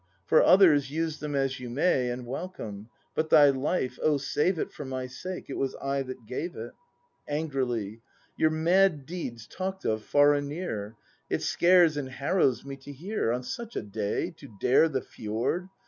For others, use them as you may, And welcome. But thy life, O save it For my sake; it was I that gave it. [A7igrily.] Your mad deed's talked of far and near; It scares and harrows me to hear. On such a day to dare the fjord.